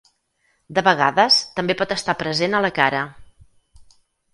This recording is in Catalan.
De vegades també pot estar present a la cara.